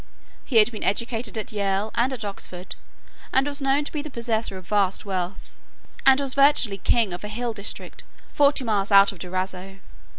He had been educated at Yale and at Oxford, and was known to be the possessor of vast wealth, and was virtually king of a hill district forty miles out of Durazzo.